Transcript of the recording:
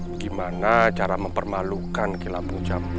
bagaimana cara mempermalukan kilabuh jambu